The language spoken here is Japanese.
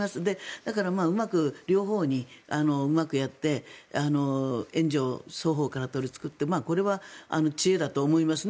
だからうまく、両方にうまくやって援助、双方から取りつけるってこれは知恵だと思いますね。